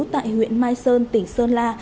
tại huyện mai sơn tỉnh sơn la